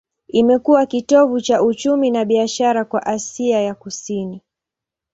Imekuwa kitovu cha uchumi na biashara kwa Asia ya Kusini.